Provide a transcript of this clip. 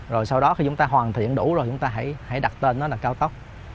rồi sau đó khi chúng ta hoàn thiện đủ rồi chúng ta hãy đặt tên nó là cao tốc